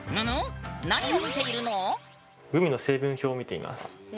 ぬぬグミの成分表を見ています。